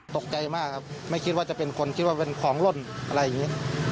ตกใจมากครับไม่คิดว่าจะเป็นคนคิดว่าเป็นของล่นอะไรอย่างนี้